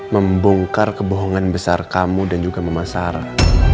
membongkar kebohongan besar kamu dan juga mama sarah